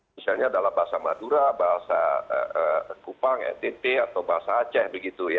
misalnya dalam bahasa madura bahasa kupang ntt atau bahasa aceh begitu ya